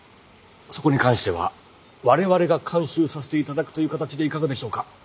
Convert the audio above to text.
そこに関してはわれわれが監修させていただくという形でいかがでしょうか？